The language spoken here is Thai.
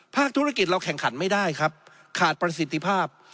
ธุรกิจเราแข่งขันไม่ได้ครับขาดประสิทธิภาพ